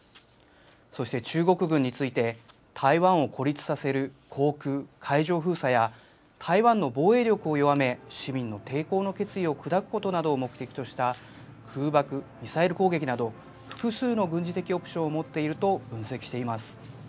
そして中国軍について、台湾を孤立させる航空・海上封鎖や、台湾の防衛力を弱め、市民の抵抗の決意を砕くことをなどを目的とした空爆・ミサイル攻撃など、複数の軍事的オプションを持っていると分析しています。